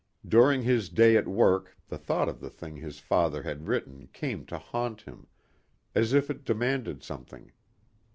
During his day at work the thought of the thing his father had written came to haunt him, as if it demanded something.